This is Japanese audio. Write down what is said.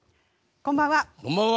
こんばんは。